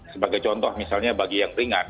sebagai contoh misalnya bagi yang ringan